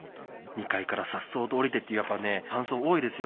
２階からさっそうと下りてっていうやっぱね感想多いですよ。